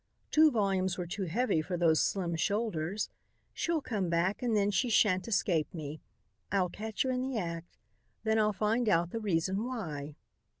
Two volumes were too heavy for those slim shoulders. She'll come back and then she shan't escape me. I'll catch her in the act. Then I'll find out the reason why."